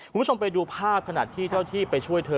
คุณผู้ชมไปดูภาพขณะที่เจ้าที่ไปช่วยเธอ